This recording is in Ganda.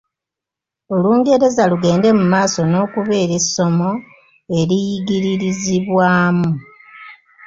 Olungereza lugende mu maaso n’okubeera essomo eriyigiririzibwamu.